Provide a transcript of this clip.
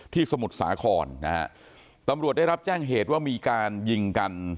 สมุทรสาครนะฮะตำรวจได้รับแจ้งเหตุว่ามีการยิงกัน